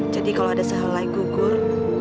jadi kalau ada sehelai gugur